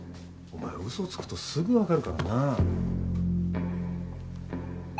お前は嘘つくとすぐわかるからな。